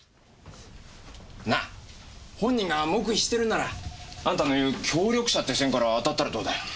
なあ本人が黙秘してるんならあんたの言う協力者って線から当たったらどうだよ。